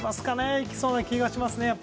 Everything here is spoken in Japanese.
行きそうな気がしますね。